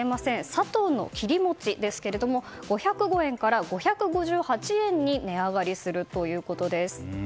サトウの切り餅ですが５０５円から５５８円に値上がりするということです。